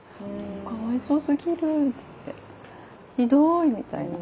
「かわいそうすぎる」って言って「ひどい」みたいな。